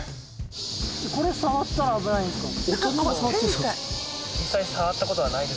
これ触ったら危ないんですか？